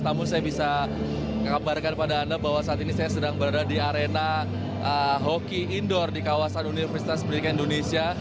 namun saya bisa mengabarkan pada anda bahwa saat ini saya sedang berada di arena hoki indoor di kawasan universitas pendidikan indonesia